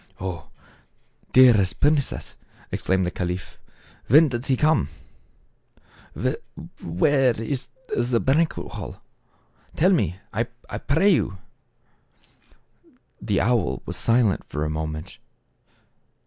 " Oh ! dearest princess," exclaimed the caliph, " When does he come ; where is the banquet hall ? Tell me, I pray you." The owl was silent for a moment.